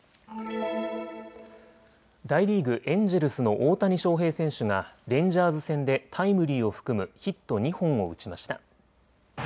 大リーグ、エンジェルスの大谷翔平選手がレンジャーズ戦でタイムリーを含むヒット２本を打ちました。